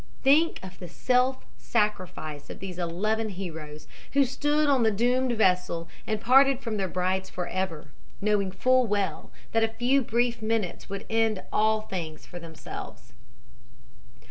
Think of the self sacrifice of these eleven heroes, who stood on the doomed vessel and parted from their brides forever, knowing full well that a few brief minutes would end all things for themselves.